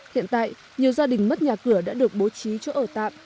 hiện tại nhiều gia đình mất nhà cửa đã được bố trí chỗ ở tạm